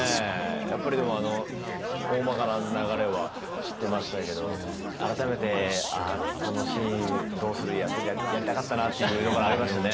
やっぱりでもおおまかな流れは知ってましたけど改めてこのシーン「どうする家康」でやりたかったなっていうところありましたね。